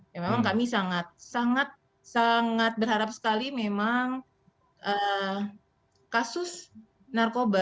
ya memang kami sangat sangat berharap sekali memang kasus narkoba